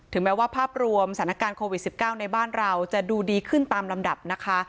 แม้ว่าภาพรวมสถานการณ์โควิด๑๙ในบ้านเราจะดูดีขึ้นตามลำดับนะคะ